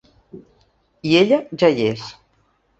I ella ja hi és.